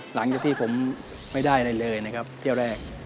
หลังจากที่ผมไม่ได้อะไรเลยนะครับเที่ยวแรก